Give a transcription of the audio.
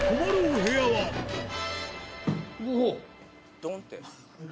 「ドンッ」て。